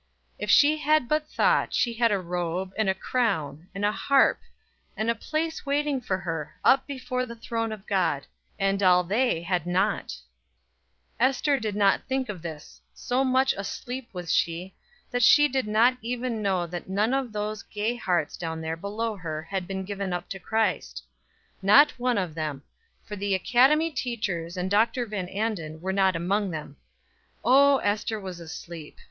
If she had but thought, she had a robe, and a crown, and a harp, and a place waiting for her, up before the throne of God; and all they had not. Ester did not think of this; so much asleep was she, that she did not even know that none of those gay hearts down there below her had been given up to Christ. Not one of them; for the academy teachers and Dr. Van Anden were not among them. O, Ester was asleep!